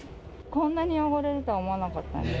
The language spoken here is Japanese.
こんなに汚れるとは思わなかったんで。